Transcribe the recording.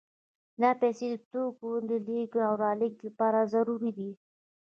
دا پیسې د توکو د لېږد رالېږد لپاره ضروري دي